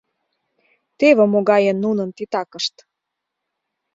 Теве могае нунын титакышт!